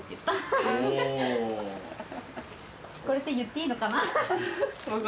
これって言っていいのかな。